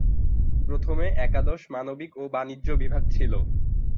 প্রথমে একাদশ, মানবিক ও বাণিজ্য বিভাগ ছিল।